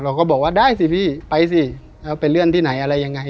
ก็บอกว่าได้สิพี่ไปสิไปเลื่อนที่ไหนอะไรยังไง